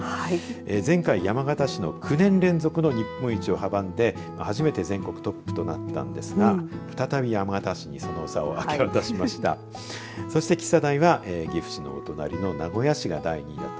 前回、山形市の９年連続の日本一を阻んで初めて全国トップとなったんですが再び山形市にその座を明け渡しました。